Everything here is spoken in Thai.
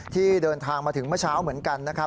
ที่เดินทางมาถึงเมื่อเช้าเหมือนกันนะครับ